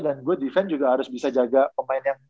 dan gue defense juga harus bisa jaga pemain yang